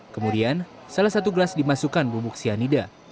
kemudian salah satu gelas dimasukkan bubuk cyanida